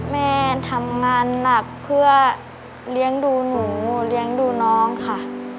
แม่ทำงานหนักเพื่อเลี้ยงดูหนูเลี้ยงดูน้องค่ะ